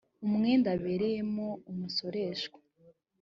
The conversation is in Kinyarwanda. umwenda abereyemo umusoreshwa